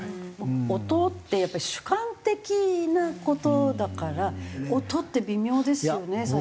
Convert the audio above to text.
音ってやっぱり主観的な事だから音って微妙ですよね齋藤先生。